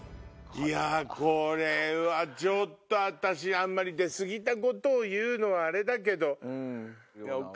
いやこれはちょっと私あんまり出過ぎたことを言うのはあれだけど。